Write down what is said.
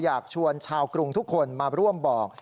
อยากชวนชาวกรุงทุกคนมาร่วมบอก